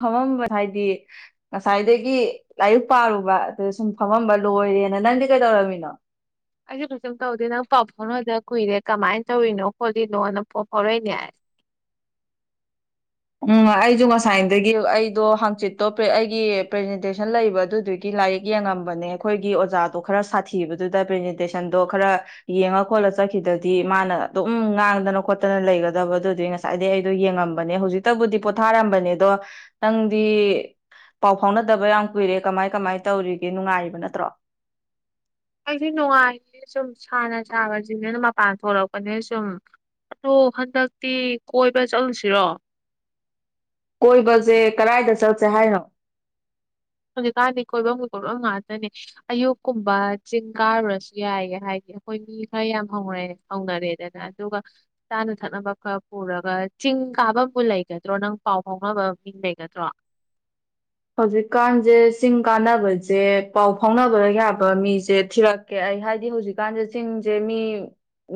ꯐꯝꯃꯝꯕ ꯍꯥꯏꯗꯤ ꯉꯁꯥꯏꯗꯒꯤ ꯂꯥꯏꯔꯤꯛ ꯄꯥꯔꯨꯕ ꯑꯗꯨ ꯁꯨꯝ ꯐꯝꯃꯝꯕ ꯂꯣꯏꯔꯦꯅ ꯅꯪꯗꯤ ꯀꯩꯗꯧꯔꯝꯃꯤꯅꯣ ꯑꯩꯁꯨ ꯀꯩꯁꯨꯝ ꯇꯧꯗꯦ ꯅꯪ ꯄꯥꯎ ꯐꯥꯎꯅꯗ ꯀꯨꯏꯔꯦ ꯀꯃꯥꯏꯅ ꯇꯧꯔꯤꯅꯣ ꯈꯣꯠꯂꯤꯅꯣꯅꯪ ꯄꯥꯎ ꯐꯥꯎꯔꯛꯏꯅꯦ ꯍꯥꯏꯁ ꯎꯝ ꯑꯩꯁꯨ ꯉꯁꯥꯏꯗꯒꯤ ꯑꯩꯗꯣ ꯍꯥꯡꯆꯤꯠꯇꯣ ꯑꯩꯒꯤ ꯄ꯭ꯔꯖꯦꯟꯇꯦꯁꯟ ꯂꯩꯕ ꯑꯗꯨꯗꯨꯒꯤ ꯂꯥꯏꯔꯤꯛ ꯌꯦꯡꯉꯝꯕꯅꯦ ꯑꯩꯈꯣꯏꯒꯤ ꯑꯣꯖꯥꯗꯣ ꯈꯔ ꯁꯥꯊꯤꯕꯗꯨꯗ ꯄ꯭ꯔꯖꯦꯟꯇꯦꯁꯟꯗꯣ ꯈꯔ ꯌꯦꯡꯉ ꯈꯣꯠꯂ ꯆꯠꯈꯤꯗ꯭ꯔꯗꯤ ꯃꯥꯅ ꯑꯗꯨꯝ ꯉꯥꯡꯗꯅ ꯈꯣꯠꯇꯅ ꯂꯩꯒꯗꯕ ꯑꯗꯨꯗꯨꯒꯤ ꯉꯁꯥꯏꯗꯒꯤꯩ ꯑꯩꯗꯣ ꯌꯦꯡꯉꯝꯕꯅꯦ ꯍꯧꯖꯤꯛ ꯍꯛꯇꯕꯨꯗꯤ ꯄꯣꯊꯥꯔꯝꯕꯅꯦ ꯑꯗꯣ ꯅꯪꯗꯤ ꯄꯥꯎ ꯐꯥꯎꯅꯗꯕ ꯌꯥꯝ ꯀꯨꯏꯔꯦ ꯀꯃꯥꯏ ꯀꯃꯥꯏ ꯇꯧꯔꯤꯒꯦ ꯅꯨꯡꯉꯥꯏꯔꯤꯕ ꯅꯠꯇ꯭ꯔꯣ ꯑꯩꯁꯨ ꯅꯨꯡꯉꯥꯏꯌꯦꯦ ꯁꯨꯝ ꯁꯥꯅ ꯁꯥꯕꯁꯤꯡꯅꯅ ꯃꯄꯥꯟ ꯊꯣꯛꯂꯛꯄꯅꯦ ꯁꯨꯝ ꯑꯗꯣ ꯍꯟꯗꯛꯇꯤ ꯀꯣꯏꯕ ꯆꯠꯂꯨꯁꯤꯔꯣ ꯀꯣꯏꯕꯁꯦ ꯀꯗꯥꯏꯗ ꯆꯠꯁꯦ ꯍꯥꯏꯅꯣ ꯍꯧꯖꯤꯛꯀꯥꯟꯗꯤ ꯀꯣꯏꯐꯝꯒꯤ ꯀꯣꯏꯐꯝ ꯉꯥꯛꯇꯅꯦ ꯑꯌꯨꯛꯀꯨꯝꯕ ꯆꯤꯡ ꯀꯥꯔꯨꯔꯁꯨ ꯌꯥꯏꯌꯦ ꯍꯥꯏꯗꯤ ꯑꯩꯈꯣꯏ ꯃꯤ ꯈꯔ ꯌꯥꯝ ꯍꯧꯅ ꯍꯧꯅꯔꯦꯗꯅ ꯑꯗꯨꯒ ꯆꯥꯅ ꯊꯛꯅꯕ ꯈꯔ ꯄꯨꯔꯒ ꯆꯤꯡ ꯀꯥꯐꯝꯕꯨ ꯂꯩꯒꯗ꯭ꯔꯣ ꯅꯪ ꯄꯥꯎ ꯐꯥꯎꯅꯕ ꯃꯤ ꯂꯩꯒꯗ꯭ꯔꯣ ꯍꯧꯖꯤꯛꯀꯥꯟꯁꯦ ꯆꯤꯡ ꯀꯥꯟꯅꯕꯁꯦ ꯄꯥꯎ ꯐꯥꯎꯅꯕ ꯌꯥꯕ ꯃꯤꯁꯦ ꯊꯤꯔꯛꯀꯦ ꯑꯩ ꯍꯥꯏꯗꯤ ꯍꯧꯖꯤꯛꯀꯥꯟꯁꯦ ꯆꯤꯡꯁꯦ ꯃꯤ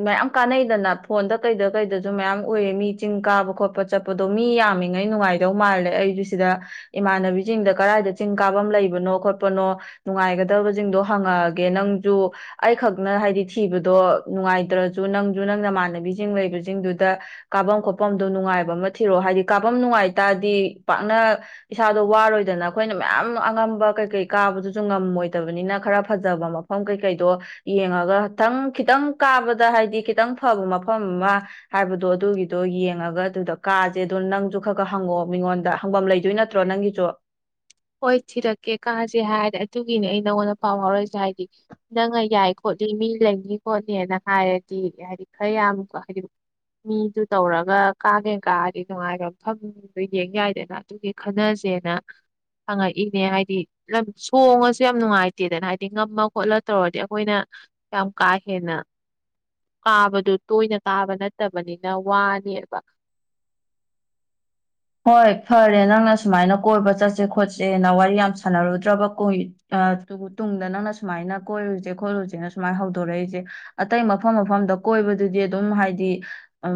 ꯃꯌꯥꯝ ꯀꯥꯟꯅꯩꯗꯅ ꯐꯣꯟꯗ ꯀꯩꯗ ꯀꯩꯗꯁꯨ ꯃꯌꯥꯝ ꯎꯏꯌꯦ ꯃꯤ ꯆꯤꯡ ꯀꯥꯕ ꯈꯣꯠꯄ ꯆꯠꯄꯗꯣ ꯃꯤ ꯌꯥꯝꯃꯤꯉꯩ ꯅꯨꯡꯉꯥꯏꯗꯧ ꯃꯥꯜꯂꯦ ꯑꯩꯁꯨ ꯁꯤꯗ ꯏꯃꯥꯟꯅꯕꯤ ꯆꯤꯡꯗ ꯀꯗꯥꯏꯗ ꯆꯤꯡ ꯀꯥꯐꯝ ꯂꯩꯕꯅꯣ ꯈꯣꯠꯄꯅꯣ ꯅꯨꯡꯉꯥꯏꯒꯗꯕꯁꯤꯡꯗꯣ ꯍꯪꯉꯛꯑꯒꯦ ꯅꯪꯁꯨ ꯑꯩꯈꯛꯅ ꯍꯥꯏꯗꯤ ꯊꯤꯕꯗꯣ ꯅꯨꯡꯉꯥꯏꯇ꯭ꯔꯁꯨ ꯅꯪꯁꯨ ꯅꯪ ꯅꯃꯥꯟꯅꯕꯤꯁꯤꯡ ꯂꯩꯕꯁꯤꯡꯗꯨꯗ ꯀꯥꯐꯝ ꯈꯣꯠꯐꯝꯗꯣ ꯅꯨꯡꯉꯥꯏꯕ ꯑꯃ ꯊꯤꯔꯛꯑꯣ ꯍꯥꯏꯗꯤ ꯀꯥꯐꯝ ꯅꯨꯡꯉꯥꯏ ꯇꯥꯔꯗꯤ ꯄꯥꯛꯅ ꯏꯁꯥꯗꯣ ꯋꯥꯔꯣꯏ ꯑꯗꯨꯗꯅ ꯑꯩꯈꯣꯏꯅ ꯃꯌꯥꯝ ꯑꯉꯝꯕ ꯀꯩꯀꯩ ꯀꯥꯕꯗꯨꯁꯨ ꯉꯝꯃꯣꯏꯗꯕꯅꯤꯅ ꯈꯔ ꯐꯖꯕ ꯃꯐꯝ ꯀꯩꯀꯩꯗꯣ ꯌꯦꯡꯉꯒꯊꯪ ꯈꯤꯇꯪ ꯀꯥꯕꯗ ꯍꯥꯏꯗꯤ ꯈꯤꯇꯪ ꯐꯕ ꯃꯐꯝ ꯑꯃ ꯍꯥꯏꯕꯗꯣ ꯑꯗꯨꯒꯤꯗꯣ ꯌꯦꯡꯉꯒ ꯑꯗꯨꯗ ꯀꯥꯁꯦ ꯑꯗꯨ ꯅꯪꯁꯨ ꯈꯔ ꯈꯔ ꯍꯪꯉꯑꯣ ꯃꯤꯉꯣꯟꯗ ꯍꯪꯐꯝ ꯂꯩꯗꯣꯏ ꯅꯠꯇ꯭ꯔꯣ ꯅꯪꯒꯤꯁꯨ ꯍꯣꯏ ꯊꯤꯔꯛꯀꯦ ꯀꯥꯁꯦ ꯍꯥꯏꯔꯗꯤ ꯑꯗꯨꯒꯤꯅꯤ ꯑꯩ ꯅꯪꯉꯣꯟꯗ ꯄꯥꯎ ꯐꯥꯎꯔꯛꯏꯁꯦ ꯍꯥꯏꯗꯤ ꯅꯪꯅ ꯌꯥꯏ ꯈꯣꯠꯂꯤ ꯃꯤ ꯂꯩꯅꯤ ꯈꯣꯠꯅꯤꯅ ꯍꯥꯏꯔꯗꯤ ꯍꯥꯏꯗꯤ ꯈꯔ ꯌꯥꯝ ꯍꯥꯏꯗꯤ ꯃꯤꯗꯨ ꯇꯧꯔꯒ ꯀꯥꯒꯦ ꯀꯥꯔꯗꯤ ꯅꯨꯡꯉꯥꯏꯕ ꯃꯐꯝꯗ ꯌꯦꯡ ꯌꯥꯏꯗꯅ ꯑꯗꯨꯒꯤ ꯈꯟꯅꯁꯦꯅ ꯍꯪꯉꯛꯏꯅꯦ ꯍꯥꯏꯗꯤ ꯂꯝ ꯁꯣꯡꯉꯁꯨ ꯌꯥꯝ ꯅꯨꯡꯉꯥꯏꯇꯦꯗꯅ ꯍꯥꯏꯗꯤ ꯉꯝꯃ ꯈꯣꯠꯂ ꯇꯧꯔꯗꯤ ꯑꯩꯈꯣꯏꯅ ꯌꯥꯝ ꯀꯥ ꯍꯦꯟꯅ ꯀꯥꯕꯗꯨ ꯇꯣꯏꯅ ꯀꯥꯕ ꯅꯠꯇꯕꯅꯤꯅ ꯋꯥꯅꯦꯕ ꯍꯣꯏ ꯐꯔꯦ ꯅꯪꯅ ꯁꯨꯃꯥꯏꯅ ꯀꯣꯏꯕ ꯆꯠꯁꯦ ꯈꯣꯠꯁꯦꯅ ꯋꯥꯔꯤ ꯌꯥꯝ ꯁꯥꯟꯅꯔꯨꯗ꯭ꯔꯕ ꯇꯨꯡꯗ ꯅꯪꯅ ꯁꯨꯃꯥꯏꯅ ꯀꯣꯏꯔꯨꯁꯦ ꯈꯣꯠꯂꯨꯁꯦꯅ ꯁꯨꯃꯥꯏꯅ ꯍꯧꯗꯣꯔꯛꯏꯁꯦ ꯑꯇꯩ ꯃꯐꯝ ꯃꯐꯝꯗ ꯀꯣꯏꯕꯗꯨꯗꯤ ꯑꯗꯨꯝ ꯍꯥꯏꯗꯤ ꯎ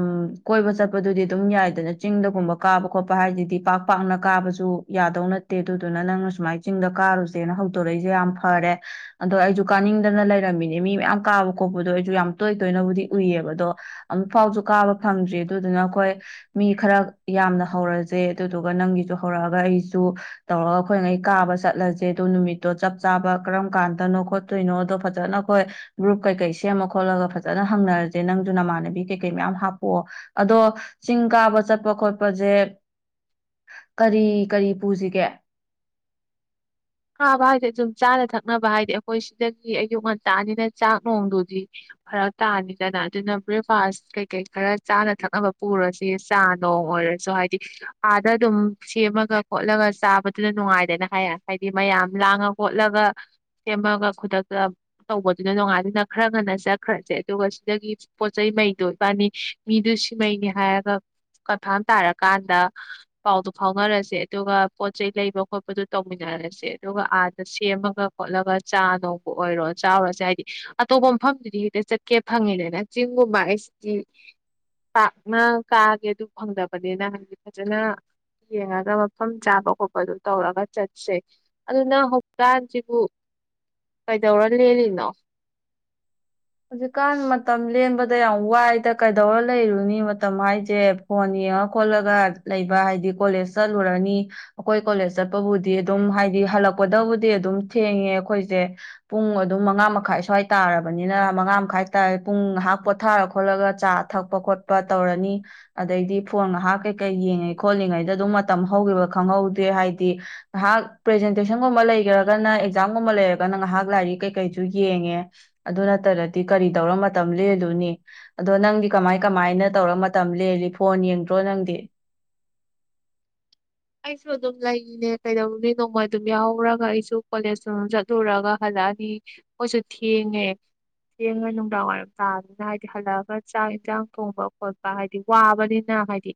ꯀꯣꯏꯕ ꯆꯠꯄꯗꯨꯗꯤ ꯑꯗꯨꯝ ꯌꯥꯏꯗꯅ ꯆꯤꯡꯗꯒꯨꯝꯕ ꯀꯥꯕ ꯈꯣꯠꯄ ꯍꯥꯏꯁꯤꯗꯤ ꯄꯥꯛ ꯄꯥꯛꯅ ꯀꯥꯕꯁꯨ ꯌꯥꯗꯧ ꯅꯠꯇꯦ ꯑꯗꯨꯗꯨꯅ ꯅꯪꯅ ꯁꯨꯃꯥꯏꯅ ꯆꯤꯡꯗ ꯀꯥꯔꯨꯁꯦꯅ ꯍꯧꯗꯣꯔꯛꯏꯁꯦ ꯌꯥꯝ ꯐꯔꯦ ꯑꯗꯣ ꯑꯩꯁꯨ ꯀꯥꯅꯤꯡꯗꯅ ꯂꯩꯔꯝꯃꯤꯅꯦ ꯃꯤ ꯃꯌꯥꯝ ꯀꯥꯕ ꯈꯣꯠꯄꯗꯣ ꯑꯩꯁꯨ ꯌꯥꯝ ꯇꯣꯏ ꯇꯣꯏꯅꯕꯨꯗꯤ ꯎꯏꯌꯦꯕ ꯑꯗꯣ ꯑꯃꯨꯛ ꯐꯥꯎꯁꯨ ꯀꯥꯕ ꯐꯪꯗ꯭ꯔꯤ ꯑꯗꯨꯗꯨꯅ ꯑꯩꯈꯣꯏ ꯃꯤ ꯈꯔ ꯌꯥꯝꯅ ꯍꯧꯔꯁꯦ ꯑꯗꯨꯗꯨꯒ ꯅꯪꯒꯤꯁꯨ ꯍꯧꯔꯛꯑꯒ ꯑꯩꯁꯨ ꯇꯧꯔꯒ ꯑꯩꯈꯣꯏꯉꯩ ꯀꯥꯕ ꯆꯠꯂꯁꯦ ꯑꯗ ꯅꯨꯃꯤꯠꯇꯣ ꯆꯞ ꯆꯥꯕ ꯀꯔꯝ ꯀꯥꯟꯗꯅꯣ ꯈꯣꯠꯇꯣꯏꯅꯣ ꯑꯗꯣ ꯐꯖꯅ ꯑꯩꯈꯣꯏ ꯒ꯭ꯔꯨꯞ ꯀꯩꯀꯩ ꯁꯦꯝꯃ ꯈꯣꯠꯂꯒ ꯐꯖꯅ ꯍꯪꯅꯔꯁꯦ ꯅꯪꯁꯨ ꯅꯃꯥꯟꯅꯕꯤ ꯀꯩꯀꯩ ꯃꯌꯥꯝ ꯍꯥꯞꯄꯛꯑꯣ ꯑꯗꯣ ꯆꯤꯡ ꯀꯥꯕ ꯆꯠꯄ ꯈꯣꯠꯄ ꯁꯦ ꯀꯔꯤ ꯀꯔꯤ ꯄꯨꯁꯤꯒꯦ ꯊꯥꯕ ꯍꯥꯏꯗꯤ ꯑꯗꯨꯝ ꯆꯥꯅ ꯊꯛꯅꯕ ꯍꯥꯏꯗꯤ ꯑꯩꯈꯣꯏ ꯁꯤꯗꯒꯤ ꯑꯌꯨꯛ ꯉꯟꯇꯥꯅꯤꯅ ꯆꯥꯛ ꯅꯣꯡꯗꯨꯗꯤ ꯐꯔꯛ ꯇꯥꯅꯤꯗꯅ ꯑꯗꯨꯅ ꯕ꯭ꯔꯦꯛꯐꯥꯁ ꯀꯩꯀꯩ ꯈꯔ ꯆꯥꯅ ꯊꯛꯅꯕ ꯄꯨꯔꯁꯤ ꯆꯥ ꯅꯣꯡ ꯑꯣꯏꯔꯁꯨ ꯍꯥꯏꯗꯤ ꯑꯥꯗ ꯑꯗꯨꯝ ꯁꯦꯝꯃꯒ ꯈꯣꯠꯂꯒ ꯆꯥꯕꯗꯨꯅ ꯅꯨꯡꯉꯥꯏꯗꯅ ꯍꯥꯏꯔꯦ ꯍꯥꯏꯗꯤ ꯃꯌꯥꯝ ꯂꯥꯡꯉ ꯈꯣꯠꯂꯒ ꯁꯦꯝꯃꯒ ꯈꯨꯗꯛꯇ ꯇꯧꯕꯗꯨꯅ ꯅꯣꯡꯉꯥꯏꯗꯨꯅ ꯈꯔ ꯉꯟꯅ ꯆꯠꯈ꯭ꯔꯁꯦ ꯑꯗꯨꯒ ꯁꯤꯗꯒꯤ ꯄꯣꯠ ꯆꯩꯩ ꯃꯩꯗꯣ ꯏꯕꯥꯅꯤ ꯃꯤꯗꯨ ꯁꯤꯃꯩꯅꯤ ꯍꯥꯏꯔꯒ ꯀꯟꯐꯥꯝ ꯇꯥꯔꯀꯥꯟꯗ ꯄꯥꯎꯗꯨ ꯐꯥꯎꯅꯔꯁꯦ ꯑꯗꯨꯒ ꯄꯣꯠ ꯆꯩꯩ ꯂꯩꯕ ꯈꯣꯠꯄꯗꯨ ꯇꯧ ꯇꯧꯃꯤꯟꯅꯔꯁꯦ ꯑꯗꯨꯒ ꯑꯥꯗ ꯁꯦꯝꯃꯒ ꯈꯣꯠꯂꯒ ꯆꯥ ꯅꯧꯕ ꯑꯣꯏꯔꯣ ꯆꯥꯎꯔꯁꯦ ꯍꯥꯏꯗꯤ ꯑꯇꯣꯞꯄ ꯃꯐꯝꯗꯨꯗꯤ ꯍꯦꯛꯇ ꯆꯠꯀꯦ ꯐꯪꯉꯤꯗꯅ ꯆꯤꯡꯒꯨꯝꯕ ꯍꯥꯏꯁꯤꯗꯤ ꯄꯥꯛꯅ ꯀꯥꯒꯦ ꯑꯗꯨ ꯐꯪꯗꯕꯅꯤꯅ ꯍꯥꯏꯗꯤ ꯐꯖꯅ ꯌꯦꯡꯉꯒ ꯃꯐꯝ ꯆꯥꯕ ꯈꯣꯠꯄꯗꯨ ꯇꯧꯔꯒ ꯆꯠꯁꯦ ꯑꯗꯨꯅ ꯍꯧꯞꯇꯥꯜꯁꯤꯕꯨ ꯀꯩꯗꯧꯔ ꯂꯦꯜꯂꯤꯅꯣ ꯍꯧꯖꯤꯛꯀꯥꯟ ꯃꯇꯝ ꯂꯦꯝꯕ ꯑꯗꯨꯗ ꯌꯥꯝ ꯋꯥꯏꯗ ꯀꯩꯗꯧꯔ ꯂꯩꯔꯨꯅꯤ ꯃꯇꯝ ꯍꯥꯏꯁꯦ ꯐꯣꯟ ꯌꯦꯡꯉ ꯈꯣꯠꯂꯒ ꯂꯩꯕ ꯍꯥꯏꯗꯤ ꯀꯣꯂꯦꯖ ꯆꯠꯂꯨꯔꯅꯤ ꯑꯩꯈꯣꯏ ꯀꯣꯂꯦꯖ ꯆꯠꯄꯕꯨꯗꯤ ꯑꯗꯨꯝ ꯍꯥꯏꯗꯤ ꯍꯜꯂꯛꯄꯗꯕꯨꯗꯤ ꯑꯗꯨꯝ ꯊꯦꯡꯉꯦ ꯑꯩꯈꯣꯏꯁꯦ ꯄꯨꯡ ꯑꯗꯨꯝ ꯃꯉꯥ ꯃꯈꯥꯏ ꯁ꯭ꯋꯥꯏ ꯇꯥꯔꯕꯅꯤꯅ ꯍꯧ ꯈꯪꯍꯧꯗꯦ ꯍꯥꯏꯗꯤ ꯉꯥꯏꯍꯥꯛ ꯄ꯭ꯔꯖꯇꯦꯟꯒꯨꯝꯕ ꯑꯦꯛꯥꯝꯒꯨꯝꯕ ꯉꯥꯏꯍꯥꯛ ꯂꯔꯤ ꯀꯩꯉ ꯑꯗꯨ ꯅꯠꯇ꯭ꯔꯗꯤ ꯀꯔꯤ ꯇꯧꯔ ꯃꯇꯝ ꯂꯦꯜꯂꯅꯤ ꯑꯗꯣ ꯅꯪꯗꯤ ꯀꯃꯥꯏ ꯀꯃꯥꯏꯅ ꯇꯧꯔ ꯃꯇꯝ ꯂꯦꯜꯂꯤ ꯐꯣꯟ ꯌꯦꯡꯗ꯭ꯔꯣ ꯅꯪꯗꯤ ꯑꯩꯁꯨ ꯑꯗꯨꯝ ꯂꯩꯔꯤꯅꯦ ꯀꯩꯗꯧꯔꯅꯤ ꯅꯣꯡꯃꯣꯏ ꯑꯗꯨꯝ ꯌꯥꯎꯍꯧꯔꯒ ꯑꯩꯁꯨ ꯀꯣꯂꯦꯖꯇꯝ ꯆꯠꯂꯨꯔꯒ ꯍꯜꯂꯛꯑꯅꯤ ꯃꯣꯏꯁꯨ ꯊꯦꯡꯉꯦ ꯊꯦꯡꯉ ꯅꯨꯡꯗꯥꯡꯋꯥꯏꯔꯝ ꯇꯥꯕꯅꯤꯅ ꯍꯥꯏꯗꯤ ꯍꯜꯂꯛꯑꯒ ꯆꯥꯛ ꯌꯦꯟꯁꯥꯡ ꯊꯣꯡꯕ ꯈꯣꯠꯄ ꯍꯥꯏꯗꯤ ꯋꯥꯕꯅꯤꯅ ꯍꯥꯏꯗꯤ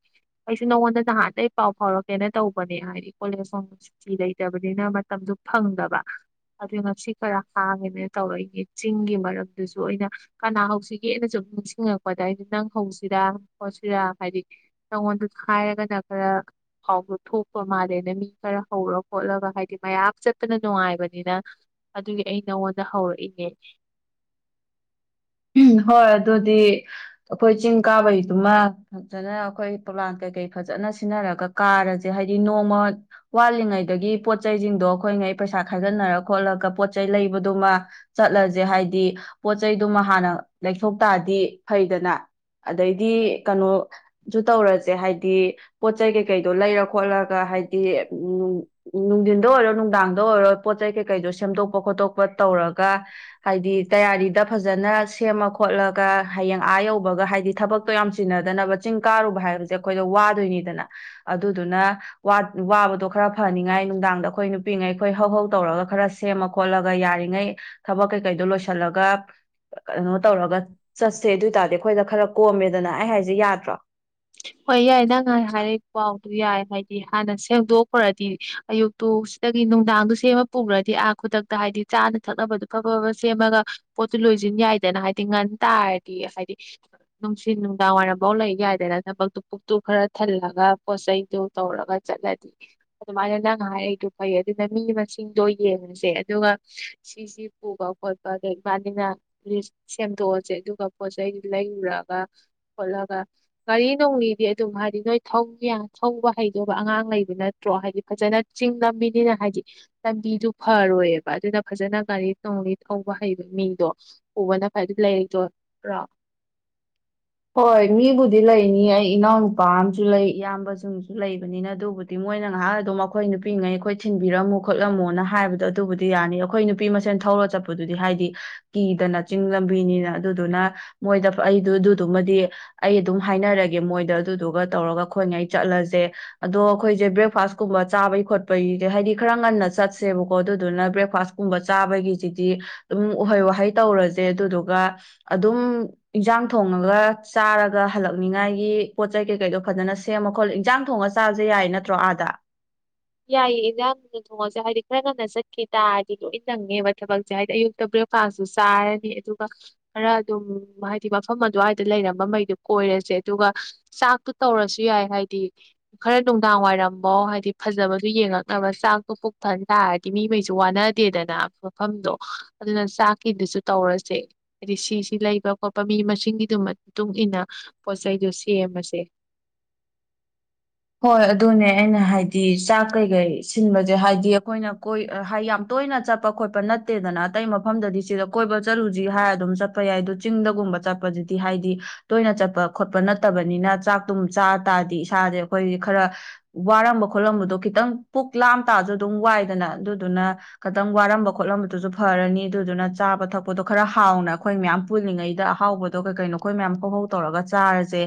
ꯑꯩꯁꯨ ꯅꯉꯣꯟꯗ ꯅꯍꯥꯟꯗꯒꯤ ꯄꯥꯎ ꯐꯥꯎꯔꯛ ꯍꯦꯟꯅ ꯇꯧꯕꯅꯦ ꯍꯥꯏꯗꯤ ꯀꯣꯂꯦꯖ ꯍꯣꯕ ꯁꯨꯇꯤ ꯂꯩꯇꯕꯅꯤꯅ ꯃꯇꯝꯗꯨ ꯐꯪꯗꯕ ꯑꯗꯨ ꯉꯁꯤ ꯈꯔ ꯍꯥꯡꯉꯦꯅ ꯇꯧꯔꯛꯏꯅꯦ ꯆꯤꯡꯒꯤ ꯃꯔꯝꯗꯨꯁꯨ ꯑꯩꯅ ꯀꯅꯥ ꯍꯧꯁꯤꯒꯦꯅ ꯁꯨꯝ ꯅꯤꯡꯁꯤꯡꯉꯛꯄꯗ ꯍꯥꯏꯗꯤ ꯅꯪ ꯍꯧꯁꯤꯔꯥ ꯈꯣꯠꯁꯤꯔꯥ ꯍꯥꯏꯗꯤ ꯅꯪꯉꯣꯟꯗ ꯍꯥꯏꯥꯏꯔꯒꯅ ꯈꯔ ꯐꯥꯎꯕ ꯊꯣꯛꯄ ꯃꯥꯜꯂꯦꯅ ꯃꯤ ꯈꯔ ꯍꯧꯔ ꯈꯣꯠꯂꯒ ꯍꯥꯏꯗꯤ ꯃꯌꯥꯝ ꯆꯄꯅ ꯅꯨꯡꯉꯥꯏꯕꯅꯤꯅ ꯑꯗꯨꯒꯤ ꯑꯩ ꯅꯉꯣꯟꯗ ꯍꯧꯔꯛꯏꯅꯦꯦ ꯎꯝ ꯍꯣꯏ ꯑꯗꯨꯗꯤ ꯑꯩꯈꯣꯏ ꯆꯤꯡ ꯀꯥꯕꯩꯗꯨꯃ ꯐꯖꯅ ꯑꯩꯈꯣꯏ ꯄꯂꯥꯟ ꯀꯩꯀꯩ ꯐꯖꯅ ꯁꯤꯟꯅꯔꯒ ꯀꯥꯔꯁꯦ ꯍꯥꯏꯗꯤ ꯅꯣꯡꯃ ꯋꯥꯠꯂꯤꯉꯩꯗꯒꯤ ꯄꯣꯠꯁꯤꯡꯗꯣ ꯑꯩꯈꯣꯏꯉꯩ ꯄꯩꯁꯥ ꯈꯥꯏꯒꯠꯅꯔ ꯈꯣꯠꯂꯒ ꯄꯣꯠ ꯆꯩꯩ ꯂꯩꯕꯗꯨꯃ ꯆꯠꯂꯁꯦ ꯍꯥꯏꯗꯤ ꯄꯣꯠ ꯆꯩꯩꯗꯨꯃ ꯍꯥꯟꯅ ꯂꯩꯊꯣꯛ ꯇꯥꯗꯤ ꯐꯩꯗꯅ ꯑꯗꯩꯗꯤ ꯀꯩꯅꯣꯁꯨ ꯇꯧꯔꯁꯦ ꯍꯥꯏꯗꯤ ꯄꯣꯠ ꯆꯩ ꯀꯩꯀꯩꯗꯣ ꯂꯩꯔ ꯈꯣꯠꯂꯒ ꯍꯥꯏꯗꯤ ꯅꯨꯡꯊꯤꯟꯗ ꯑꯣꯏꯔꯣ ꯅꯨꯡꯗꯥꯡꯗ ꯑꯣꯏꯔꯣ ꯄꯣꯠ ꯆꯩ ꯀꯩꯀꯩꯗꯣ ꯁꯦꯝꯗꯣꯛꯄ ꯈꯣꯠꯇꯣꯛꯄ ꯇꯧꯔꯒ ꯍꯥꯏꯗꯤ ꯇꯌꯥꯔꯤꯗ ꯐꯖ ꯐꯖꯅ ꯁꯦꯝꯃ ꯈꯣꯠꯂꯒ ꯍꯌꯦꯡ ꯑꯥ ꯌꯧꯕꯒ ꯍꯥꯏꯗꯤ ꯊꯕꯛꯇꯣ ꯌꯥꯝ ꯆꯤꯟꯅꯗꯅꯕ ꯆꯤꯡ ꯀꯥꯔꯨꯕ ꯍꯥꯏꯕꯁꯦ ꯑꯩꯈꯣꯏꯗꯣ ꯋꯥꯗꯣꯏꯅꯤꯗꯅ ꯑꯗꯨꯗꯨꯅ ꯋꯥꯕꯗꯣ ꯈꯔ ꯐꯅꯤꯉꯥꯏ ꯅꯨꯡꯗꯥꯡꯗ ꯑꯩꯈꯣꯏ ꯅꯨꯄꯤꯉꯩꯈꯣꯏ ꯍꯧ ꯍꯧ ꯇꯧꯔꯒ ꯈꯔ ꯁꯦꯝꯃ ꯈꯣꯠꯂꯒ ꯌꯥꯔꯤꯉꯩ ꯊꯕꯛ ꯀꯩꯀꯩꯗꯣ ꯂꯣꯏꯁꯤꯜꯂꯒ ꯀꯩꯅꯣ ꯇꯧꯔꯒ ꯆꯠꯁꯦ ꯑꯗꯨ ꯑꯣꯏ ꯇꯔꯗꯤ ꯑꯩꯈꯣꯏꯗ ꯈꯔ ꯀꯣꯝꯃꯦꯗꯅ ꯑꯩ ꯍꯥꯏꯁꯦ ꯌꯥꯗ꯭ꯔꯣ ꯍꯣꯏ ꯌꯥꯏ ꯅꯪ ꯍꯥꯏꯔꯛꯏ ꯄꯥꯎꯗꯨ ꯌꯥꯏ ꯍꯥꯏꯗꯤ ꯍꯥꯟꯅ ꯁꯦꯝꯗꯣꯛꯈ꯭ꯔꯗꯤ ꯑꯌꯨꯛꯇꯨ ꯁꯤꯗꯒꯤ ꯅꯨꯡꯗꯥꯡꯗꯨ ꯁꯦꯝꯃ ꯄꯨꯈ꯭ꯔꯗꯤ ꯑꯥ ꯈꯨꯗꯛꯇ ꯍꯥꯏꯗꯤ ꯆꯥꯅ ꯊꯛꯅꯕꯗꯣ ꯑꯐꯕꯕ ꯁꯦꯝꯃꯒ ꯄꯣꯠꯇꯨ ꯂꯣꯏꯁꯤꯟ ꯌꯥꯏꯗꯅ ꯍꯥꯏꯗꯤ ꯉꯟ ꯇꯥꯔꯗꯤ ꯍꯥꯏꯗꯤ ꯅꯨꯡꯁꯤ ꯅꯨꯡꯗꯥꯡ ꯋꯥꯏꯔꯝꯐꯥꯎ ꯂꯩ ꯌꯥꯏꯗꯅ ꯊꯕꯛꯇꯨ ꯄꯨꯛꯇꯨ ꯈꯔ ꯊꯜꯂꯒ ꯄꯣꯠꯆꯩꯗꯨ ꯇꯧꯔꯒ ꯆꯠꯂꯗꯤ ꯑꯗꯨꯃꯥꯏꯅ ꯅꯪ ꯍꯥꯏꯔꯛꯗꯨꯣ ꯐꯩ ꯑꯗꯨꯅ ꯃꯤ ꯃꯁꯤꯡꯗꯣ ꯌꯦꯡꯉꯁꯦ ꯑꯗꯨꯒ ꯁꯤꯁꯤ ꯄꯨꯕ ꯈꯣꯠꯄ ꯑꯗ ꯏꯕꯥꯅꯤꯅꯁ ꯁꯦꯝꯗꯣꯛꯑꯁꯦ ꯑꯗꯨꯒ ꯄꯣꯠꯆ ꯆꯩꯗꯨ ꯂꯩꯔꯨꯔꯒ ꯈꯣꯠꯂꯒ ꯒꯥꯔꯤ ꯅꯣꯡꯂꯤꯗꯤ ꯑꯗꯨꯝ ꯍꯥꯏꯗꯤ ꯅꯣꯏ ꯊꯧ ꯊꯧꯕ ꯍꯩꯗꯕ ꯑꯉꯥꯡ ꯂꯩꯕ ꯅꯠꯇ꯭ꯔꯣ ꯍꯥꯏꯗꯤ ꯐꯖꯅ ꯆꯤꯡ ꯅꯝꯃꯤꯅꯤꯅ ꯍꯥꯏꯗꯤ ꯂꯝꯕꯤꯗꯨ ꯐꯔꯣꯏꯑꯕ ꯑꯗꯨꯅ ꯐꯖꯅ ꯒꯥꯔꯤ ꯣꯡꯂꯤ ꯊꯧꯕ ꯍꯩꯕ ꯃꯤꯗꯣ ꯎꯕꯅ ꯂꯩꯔꯗꯣꯏꯔꯣ ꯍꯣꯏ ꯃꯤꯕꯨꯗꯤ ꯂꯩꯅꯤ ꯑꯩ ꯏꯅꯥꯎ ꯅꯨꯄꯥ ꯑ ꯑꯃꯁꯁꯨ ꯂꯩ ꯏꯌꯥꯝꯕꯁꯤꯡꯁꯨ ꯂꯩꯕꯅꯤꯅ ꯑꯗꯨꯕꯨꯗꯤ ꯃꯣꯏꯅ ꯉꯥꯏꯍꯥꯛ ꯑꯗꯨꯝ ꯑꯩꯈꯣꯏ ꯅꯨꯄꯤꯉꯩ ꯑꯩꯈꯣꯏ ꯊꯤꯟꯕꯤꯔꯝꯃꯨ ꯈꯣꯠꯂꯝꯃꯣꯅ ꯍꯥꯏꯕꯗꯣ ꯑꯗꯨꯕꯨꯗꯤ ꯌꯥꯅꯤ ꯑꯩꯈꯣꯏ ꯅꯨꯄꯤ ꯃꯁꯦꯟ ꯊꯧꯔ ꯆꯠꯄꯗꯨꯗꯤ ꯍꯥꯏꯗꯤ ꯀꯤꯗꯅ ꯆꯤꯡ ꯂꯝꯕꯤꯅꯤꯅ ꯑꯗꯨꯗꯨꯅ ꯃꯣꯏꯗ ꯑꯩꯗꯨ ꯑꯗꯨꯃꯗꯤ ꯑꯩ ꯑꯗꯨꯝ ꯍꯥꯏꯅꯔꯒꯦ ꯃꯣꯏꯗ ꯑꯗꯨꯗꯨꯒ ꯇꯧꯔꯒ ꯑꯩꯈꯣꯏꯅꯩ ꯆꯠꯂꯁꯦ ꯑꯗꯣ ꯑꯩꯈꯣꯏꯁꯦ ꯕ꯭ꯔꯦꯛꯐꯥꯁꯀꯨꯝꯕ ꯆꯥꯕꯒꯤ ꯈꯣꯠꯄꯒꯤ ꯍꯥꯏꯗꯤ ꯈꯔ ꯉꯟꯅ ꯆꯠꯁꯦꯕꯀꯣ ꯑꯗꯨꯗꯨꯅ ꯕ꯭ꯔꯦꯛꯐꯥꯁ ꯀꯨꯝꯕ ꯆꯥꯕꯒꯤꯁꯤꯗꯤ ꯑꯗꯨꯝ ꯎꯍꯩ ꯋꯥꯍꯩ ꯇꯧꯔꯁꯦ ꯑꯗꯨꯗꯨꯒ ꯑꯗꯨꯝ ꯏꯟꯖꯥꯡ ꯊꯣꯡ ꯊꯣꯡꯉꯒ ꯆꯥꯔꯒ ꯍꯜꯂꯛꯅꯤꯉꯥꯏꯒꯤ ꯄꯣꯠ ꯆꯩ ꯀꯩꯀꯩꯗꯣ ꯐꯖꯅ ꯁꯦꯝꯃ ꯈꯣꯠꯂ ꯏꯟꯖꯥꯡ ꯊꯣꯡꯉ ꯆꯥꯕꯁꯦ ꯌꯥꯏ ꯅꯠꯇ꯭ꯔꯣ ꯑꯥꯗ ꯌꯥꯏꯌꯦ ꯏꯟꯖꯥꯡꯅ ꯊꯣꯡꯉꯁꯦ ꯍꯥꯏꯗꯤ ꯈꯔ ꯉꯟꯅ ꯆꯠꯈꯤ ꯇꯥꯔꯗꯤ ꯂꯣꯏ ꯅꯪꯉꯦꯕ ꯊꯕꯛꯁꯦ ꯍꯥꯏꯗꯤ ꯑꯌꯨꯛꯇ ꯕ꯭ꯔꯦꯛꯐꯥꯁꯇꯨ ꯆꯥꯔꯅꯤ ꯑꯗꯨꯒ ꯈꯔ ꯑꯗꯨꯝ ꯍꯥꯏꯗꯤ ꯃꯐꯝ ꯑꯗꯨꯋꯥꯏꯗ ꯂꯩꯔꯝꯕ ꯃꯩꯗꯨ ꯀꯣꯏꯔꯁꯦ ꯑꯗꯨꯒ ꯆꯥꯛꯇꯨ ꯇꯧꯔꯁꯨ ꯌꯥꯏ ꯍꯥꯏꯗꯤ ꯈꯔ ꯅꯨꯡꯗꯥꯡ ꯋꯥꯏꯔꯝꯃꯣ ꯍꯥꯏꯗꯤ ꯐꯖꯕꯗꯨ ꯌꯦꯡꯉꯛꯅꯕ ꯆꯥꯛꯇꯣ ꯄꯨꯣꯛꯊꯍꯟ ꯇꯥꯔꯗꯤ ꯃꯤꯉꯩꯁꯨ ꯋꯥꯅꯗꯦꯗꯅ ꯃꯐꯝꯗꯣ ꯑꯗꯨꯅ ꯆꯥꯛꯀꯤꯗꯨꯁꯨ ꯇꯧꯔꯁꯦ ꯍꯥꯏꯗꯤ ꯁꯤꯁꯤ ꯂꯩꯕ ꯈꯣꯠꯄ ꯃꯤ ꯃꯁꯤꯡꯒꯤꯗꯨ ꯏ ꯃꯇꯨꯡꯏꯟꯅ ꯄꯣꯠ ꯆꯩꯩꯗꯣ ꯁꯦꯝꯃꯁꯦ ꯍꯣꯏ ꯑꯗꯨꯅꯦ ꯑꯩꯅ ꯍꯥꯏꯗꯤ ꯆꯥꯛ ꯀꯩꯀꯩ ꯁꯤꯟꯕꯁꯦ ꯍꯥꯏꯗꯤ ꯑꯩꯈꯣꯏꯅ ꯀꯣꯏ ꯍꯥꯏꯗꯤ ꯌꯥꯝ ꯇꯣꯏꯅ ꯆꯠꯄ ꯈꯣꯠꯄ ꯅꯠꯇꯦꯗꯅ ꯑꯇꯩ ꯃꯐꯝꯗꯗꯤ ꯁꯤꯗ ꯀꯣꯏꯕ ꯆꯂꯨꯁꯤ ꯍꯥꯏꯔ ꯑꯗꯨꯝ ꯆꯠꯄ ꯌꯥꯏ ꯑꯗꯨ ꯆꯤꯡꯗꯒꯨꯝꯕ ꯆꯠꯄꯁꯤꯗꯤ ꯍꯥꯏꯗꯤ ꯇꯣꯏꯅ ꯆꯠꯄ ꯈꯣꯠꯄ ꯅꯠꯇꯕꯅꯤꯅ ꯆꯥꯛꯇꯝ ꯆꯥ ꯇꯥꯔꯗꯤ ꯏꯁꯥꯁꯦ ꯑꯩꯈꯣꯏ ꯈꯔ ꯋꯥꯔꯝꯕ ꯈꯣꯠꯂꯝꯕꯗꯣ ꯈꯤꯇꯪ ꯄꯨꯛ ꯂꯥꯝ ꯇꯥꯁꯨ ꯑꯗꯨꯝ ꯋꯥꯏꯗꯅ ꯑꯗꯨꯗꯨꯅ ꯈꯤꯇꯪ ꯋꯥꯔꯝꯕ ꯈꯣꯠꯂꯝꯕꯗꯨꯁꯨ ꯐꯔꯅꯤ ꯑꯗꯨꯗꯨꯅ ꯆꯥꯕ ꯊꯛꯄꯗꯣ ꯈꯔ ꯍꯥꯎꯅ ꯑꯩꯈꯣꯏ ꯃꯌꯥꯝ ꯄꯨꯜꯂꯤꯉꯩꯗ ꯑꯍꯥꯎꯕꯗꯣ ꯀꯩ ꯀꯩꯅꯣ ꯑꯩꯈꯣꯏ ꯃꯌꯥꯝ ꯐꯧꯍꯧ ꯇꯧꯔꯒ ꯆꯥꯔꯁꯦ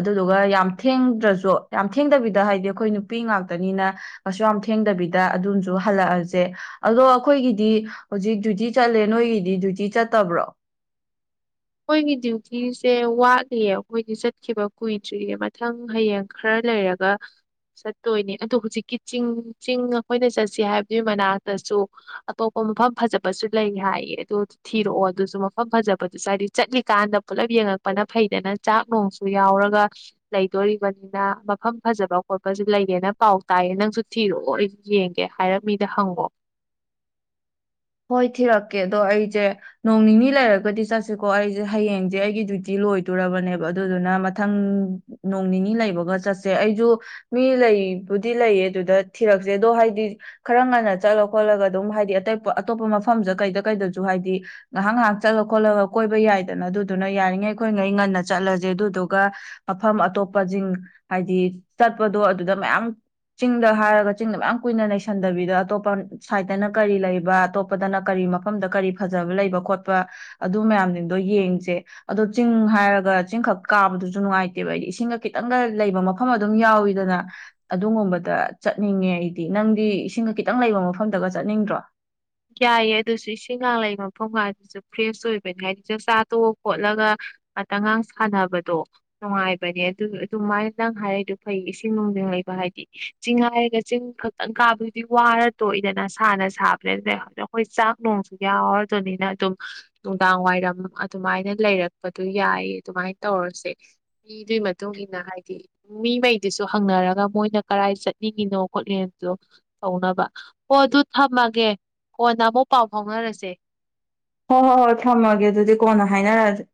ꯑꯗꯨꯗꯨꯒ ꯌꯥꯝ ꯊꯦꯡꯗ꯭ꯔꯁꯨ ꯌꯥꯝ ꯊꯦꯡꯗꯕꯤꯗ ꯍꯥꯏꯗꯤ ꯑꯩꯈꯣꯏ ꯅꯨꯄꯤ ꯉꯥꯛꯇꯅꯤꯅ ꯀꯩꯁꯨ ꯌꯥꯝ ꯊꯦꯡꯗꯕꯤꯗ ꯑꯗꯨꯝꯁꯨ ꯍꯜꯂꯛꯑꯁꯦ ꯑꯗꯣ ꯑꯩꯈꯣꯏꯒꯤꯗꯤ ꯍꯧꯖꯤꯛ ꯗ꯭ꯌꯨꯇꯤ ꯆꯠꯂꯦ ꯅꯣꯏꯒꯤꯗꯤ ꯗ꯭ꯌꯨꯇꯤ ꯆꯠꯇꯕ꯭ꯔꯣ ꯑꯩꯈꯣꯏꯒꯤ ꯗ꯭ꯌꯨꯇꯤꯁꯦ ꯋꯥꯠꯂꯤꯌꯦ ꯑꯩꯈꯣꯏꯗꯤ ꯆꯠꯈꯤꯕ ꯀꯨꯏꯗ꯭ꯔꯤꯌꯦ ꯃꯊꯪ ꯍꯌꯦꯡ ꯈꯔ ꯂꯩꯔꯒ ꯆꯠꯇꯣꯏꯅꯦ ꯑꯣ ꯍꯧꯖꯤꯛꯀꯤ ꯆꯤꯡ ꯆꯤꯡ ꯑꯩꯈꯣꯏꯅ ꯆꯠꯁꯤ ꯍꯥꯏꯕꯗꯨꯒꯤ ꯃꯅꯥꯛꯇꯁꯨ ꯑꯇꯣꯞꯄ ꯃꯐꯝ ꯐꯖꯕꯁꯨ ꯂꯩ ꯍꯥꯏꯌꯦ ꯑꯗꯨ ꯊꯤꯔꯛꯑꯣ ꯑꯗꯨꯁꯨ ꯃꯐꯝ ꯐꯖꯕꯗꯨ ꯆꯥꯔꯤ ꯆꯠꯂꯤꯀꯥꯟꯗ ꯄꯨꯜꯂꯞ ꯌꯦꯡꯉꯛꯄꯅ ꯐꯩꯗꯅ ꯆꯥꯛ ꯣꯡꯁꯨ ꯌꯥꯎꯔꯒ ꯂꯩꯗꯣꯔꯤꯕꯅꯤꯅ ꯃꯐꯝ ꯐꯖꯕ ꯈꯣꯠꯄꯁꯨ ꯂꯩꯔꯦꯅ ꯄꯥꯎ ꯇꯥꯏꯌꯦ ꯅꯪꯁꯨ ꯊꯤꯔꯣꯏꯁꯨ ꯌꯦꯡꯒꯦ ꯍꯥꯏꯔꯞ ꯃꯤꯗ ꯍꯪꯉꯣ ꯍꯣꯏ ꯊꯤꯔꯛꯀꯦ ꯑꯗꯣ ꯑꯩꯖꯦ ꯅꯣꯡ ꯅꯤꯅꯤ ꯂꯩꯔꯒꯗꯤ ꯆꯠꯁꯦꯀꯣ ꯑꯩꯖꯦ ꯍꯌꯦꯡꯁꯦ ꯑꯩꯒꯤ ꯗ꯭ꯌꯨꯇꯤ ꯂꯣꯏꯗꯣꯔꯕꯅꯦꯕ ꯑꯗꯨꯗꯨꯅ ꯃꯊꯪ ꯅꯣꯡ ꯅꯤꯅꯤ ꯂꯩꯕꯒ ꯆꯠꯁꯦ ꯑꯩꯖꯨ ꯃꯤ ꯂꯩꯕꯨꯗꯤ ꯂꯩꯌꯦ ꯑꯗꯨꯗ ꯊꯤꯔꯛꯁꯦ ꯑꯗꯣ ꯍꯥꯏꯗꯤ ꯈꯔ ꯉꯟꯅ ꯆꯠꯂ ꯈꯣꯠꯂꯒ ꯑꯗꯨꯝ ꯍꯥꯏꯗꯤ ꯑꯇꯩ ꯑꯇꯣꯞꯄ ꯃꯐꯝꯗ ꯀꯩꯗ ꯀꯩꯗꯁꯨ ꯍꯥꯏꯗꯤ ꯉꯥꯏꯍꯥꯛ ꯉꯥꯏꯍꯥꯛ ꯆꯠꯂ ꯈꯣꯠꯂꯒ ꯀꯣꯏꯕ ꯌꯥꯏꯗꯅ ꯑꯗꯨꯗꯨꯅ ꯌꯥꯔꯤꯉꯩ ꯑꯩꯈꯣꯏꯉꯩ ꯉꯟꯅ ꯆꯠꯂꯖꯦ ꯑꯗꯨꯗꯨꯒ ꯃꯐꯝ ꯑꯇꯣꯞꯄꯖꯤꯡ ꯍꯥꯏꯗꯤ ꯆꯠꯄꯗꯣ ꯑꯗꯨꯗ ꯃꯌꯥꯝ ꯆꯤꯡꯗ ꯍꯥꯏꯔꯒ ꯆꯤꯡꯗ ꯃꯌꯥꯝ ꯀꯨꯏꯅ ꯂꯩꯩꯁꯟꯗꯕꯤꯗ ꯑꯇꯣꯞꯄ ꯁꯥꯏꯗꯠꯇꯅ ꯀꯔꯤ ꯂꯩ ꯑꯇꯣꯞꯄꯗꯅ ꯀꯔꯤ ꯃꯐꯝꯗ ꯀꯔꯤ ꯐꯖꯕ ꯂꯩꯕ ꯈꯣꯠꯄ ꯑꯗꯨ ꯃꯌꯥꯝꯁꯤꯡꯗꯣ ꯌꯦꯡꯁꯦ ꯑꯗꯣ ꯆꯤꯡ ꯍꯥꯏꯔꯒ ꯆꯤꯡꯈꯛ ꯀꯥꯕꯗꯨꯁꯨ ꯅꯨꯡꯉꯥꯏꯇꯦꯕ ꯑꯩꯗꯤ ꯏꯁꯤꯡꯒ ꯈꯤꯇꯪꯒ ꯂꯩꯕ ꯃꯐꯝ ꯑꯗꯨꯝ ꯌꯥꯎꯋꯤꯗꯅ ꯑꯗꯨꯒꯨꯝꯕꯗ ꯆꯠꯅꯤꯡꯉꯦ ꯑꯩꯗꯤ ꯅꯪꯗꯤ ꯏꯁꯤꯡꯒ ꯈꯤꯇꯪ ꯂꯩꯕ ꯃꯐꯝꯗꯒ ꯆꯠꯅꯤꯡꯗ꯭ꯔꯣ ꯌꯥꯏꯌꯦ ꯑꯗꯨꯁꯨ ꯏꯁꯤꯡꯒꯥꯡ ꯂꯩꯕ ꯃꯐꯝꯒ ꯑꯗꯨꯁꯨ ꯐ꯭ꯔꯦꯁ ꯑꯣꯏꯕꯅꯤ ꯍꯥꯏꯗꯤ ꯆꯥꯛꯆꯥ ꯇꯣꯛꯑ ꯈꯣꯠꯂꯒ ꯉꯥꯛꯇꯒꯥꯡ ꯁꯥꯟꯅꯕꯗꯣ ꯅꯨꯡꯉꯥꯏꯕꯅꯦ ꯑꯗꯨ ꯑꯗꯨꯃꯥꯏꯅ ꯅꯪ ꯍꯥꯏꯔꯤꯗꯣ ꯐꯩ ꯏꯁꯤꯡ ꯅꯨꯡꯁꯤ ꯂꯩꯕ ꯍꯥꯏꯗꯤ ꯆꯤꯡ ꯍꯥꯏꯔꯒ ꯆꯤꯡ ꯈꯛꯇꯪ ꯀꯥꯕꯗꯨꯗꯤ ꯋꯥꯔ ꯇꯣꯛꯏꯗꯅ ꯁꯥꯥꯅ ꯁꯥꯕꯅꯦ ꯑꯗꯨꯅ ꯑꯗ ꯑꯩꯈꯣꯏ ꯆꯥꯛ ꯅꯨꯡꯁꯨ ꯌꯥꯎꯔꯗꯨꯏꯅꯤꯅꯥ ꯑꯗꯨꯝ ꯅꯨꯡꯗꯥꯡ ꯋꯥꯏꯔꯝ ꯑꯗꯨꯃꯥꯏꯅ ꯂꯩꯔꯛꯄꯗꯣ ꯌꯥꯏ ꯑꯗꯨꯃꯥꯏ ꯇꯧꯔꯁꯦ ꯃꯤꯗꯨꯒꯤ ꯃꯇꯨꯡ ꯏꯟꯅ ꯍꯥꯏꯗꯤ ꯃꯤꯉꯩꯗꯨꯁꯨ ꯍꯪꯅꯔꯒ ꯃꯣꯏꯅ ꯀꯔꯥꯏ ꯆꯠꯅꯤꯡꯉꯤꯅꯣ ꯈꯣꯠꯂꯤꯅꯣꯗꯣ ꯇꯧꯅꯕ ꯍꯣ ꯑꯗꯨ ꯊꯝꯃꯒꯦ ꯀꯣꯟꯅ ꯑꯃꯨꯛ ꯄꯥꯎ ꯐꯥꯎꯅꯔꯁꯦ ꯍꯣꯏ ꯍꯣꯏ ꯍꯣꯏ ꯊꯝꯃꯒꯦ ꯑꯗꯨꯗꯤ ꯀꯣꯟꯅ ꯍꯥꯏꯅꯔꯁꯦ